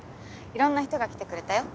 いろんな人が来てくれたよ。